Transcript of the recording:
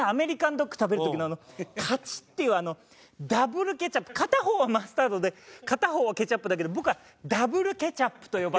ドッグ食べる時のあのカチッていうあのダブルケチャップ片方はマスタードで片方はケチャップだけど僕はダブルケチャップと呼ばさせていただいて。